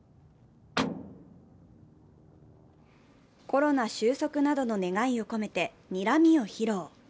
コロナ終息などの願いを込めて、にらみを披露。